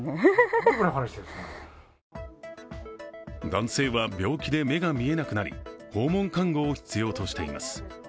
男性は病気で目が見えなくなり訪問看護を必要としています。